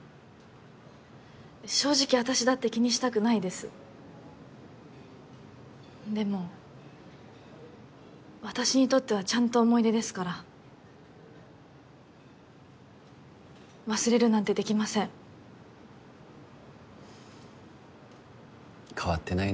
正直私だって気にしたくないですでも私にとってはちゃんと思い出ですから忘れるなんてできません変わってないね